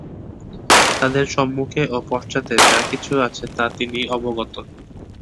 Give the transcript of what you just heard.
তাদের সম্মুখে ও পশ্চাতে যা কিছু আছে তা তিনি অবগত।